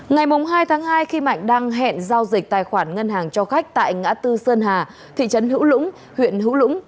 ngày hai tháng hai khi mạnh đang hẹn giao dịch tài khoản ngân hàng cho khách tại ngã tư sơn hà thị trấn hữu lũng huyện hữu lũng